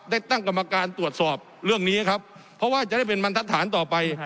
ตั้งกรรมการตรวจสอบเรื่องนี้ครับเพราะว่าจะได้เป็นบรรทัศนต่อไป